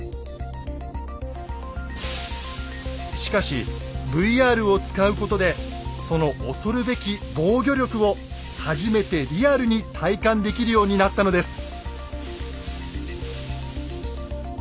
しかしＶＲを使うことでその恐るべき防御力を初めてリアルに体感できるようになったのです。